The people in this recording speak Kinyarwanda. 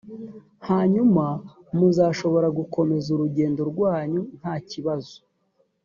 hanyuma muzashobora gukomeza urugendo rwanyu ntakibazo.